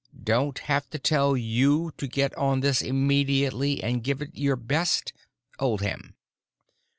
DON'T HAVE TO TELL YOU TO GET ON THIS IMMEDIATELY AND GIVE IT YOUR BEST. OLDHAM.